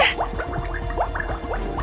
kita harus segera menolongnya